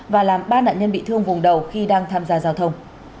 và làm ba nạn nhân bị thương vùng đầu khi đang tham gia giao thông